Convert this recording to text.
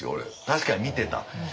確かに見てた。